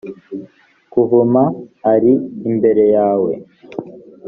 kuvuma ari imbere yawe